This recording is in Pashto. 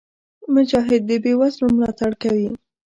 مجاهد د بېوزلو ملاتړ کوي.